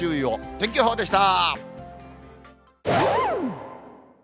天気予報でした。